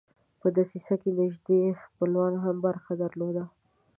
په دسیسه کې نیژدې خپلوانو هم برخه درلوده.